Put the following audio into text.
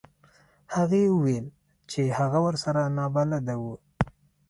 هغې وویل چې هغه ورسره نابلده و.